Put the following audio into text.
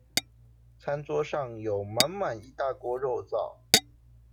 餐桌上有滿滿一大鍋肉燥